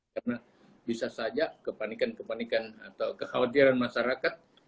karena bisa saja kepanikan kepanikan atau kekhawatiran masyarakat